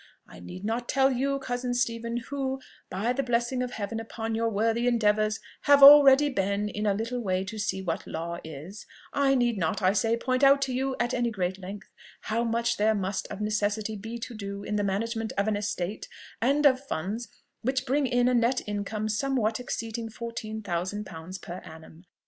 "I need not tell you, cousin Stephen, who, by the blessing of Heaven upon your worthy endeavours, have already been able in a little way to see what law is, I need not, I say, point out to you at any great length, how much there must of necessity be to do in the management of an estate and of funds which bring in a net income somewhat exceeding fourteen thousand pounds per annum.